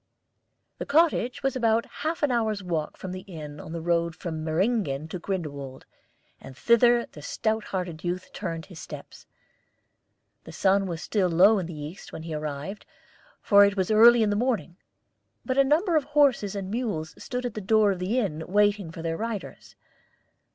The cottage was about half an hour's walk from the inn on the road from Meyringen to Grindelwald, and thither the stout hearted youth turned his steps. The sun was still low in the east when he arrived, for it was early in the morning; but a number of horses and mules stood at the door of the inn waiting for their riders.